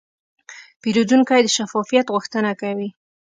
پیرودونکی د شفافیت غوښتنه کوي.